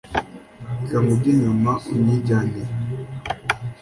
Reka nkujye inyuma unyijyanire,